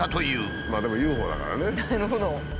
なるほど。